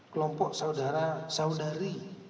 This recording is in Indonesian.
kelompok saudara saudari